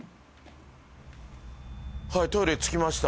トイレ着きました。